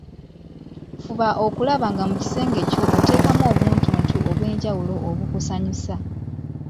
Fuba okulaba nga mu kisenge kyo oteekamu obuntuntu obwenjawulo obukusanyusa.